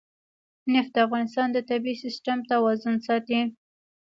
نفت د افغانستان د طبعي سیسټم توازن ساتي.